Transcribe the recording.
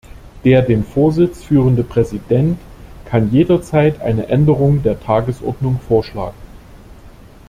Der den Vorsitz führende Präsident kann jederzeit eine Änderung der Tagesordnung vorschlagen.